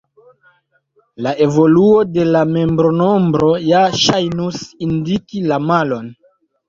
La evoluo de la membronombro ja ŝajnus indiki la malon.